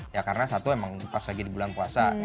ya karena satu emang pas lagi di bulan puasa